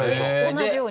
同じように。